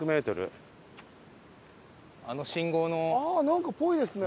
ああなんかぽいですね。